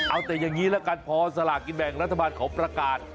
เอาแต่อย่างนี้ละกันพอสลากินแบ่งรัฐบาลเขาประกาศ